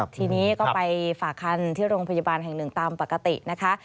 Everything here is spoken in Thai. ทีนี้ก็ไปฝากคันที่โรงพยาบาลแห่งหนึ่งตามปกตินะคะ